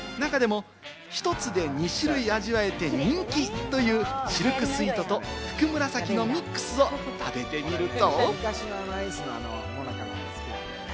中でも１つで２種類、味わえて人気というシルクスイートとふくむらさきのミックスを食べてみると。